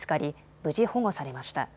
無事、保護されました。